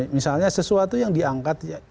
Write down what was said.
misalnya sesuatu yang diangkat